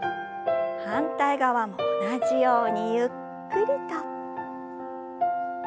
反対側も同じようにゆっくりと。